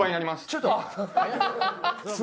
ちょっと！